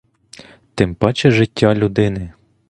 Тим паче життя людини.